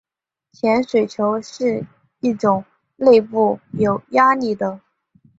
潜水球是一种内部有加压的。